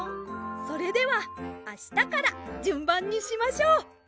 それではあしたからじゅんばんにしましょう！